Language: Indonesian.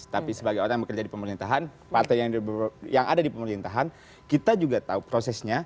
tapi sebagai orang yang bekerja di pemerintahan partai yang ada di pemerintahan kita juga tahu prosesnya